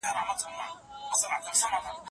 د دې پردیو له چیناره سره نه جوړیږي